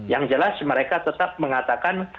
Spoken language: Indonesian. yang jelas mereka tetap mengatakan